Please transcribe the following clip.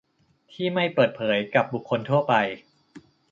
ที่ไม่เปิดเผยกับบุคคลทั่วไป